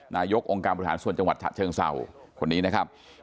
นายกองค์การบริหารส่วนจังหวัดฉะเชิงเศร้าคนนี้นะครับ